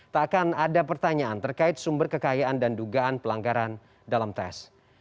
tak akan ada pertanyaan terkait sumber kekayaan dan dugaan pelanggaran dalam tes